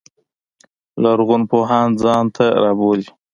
لرغون پوهان ځان ته رابولي.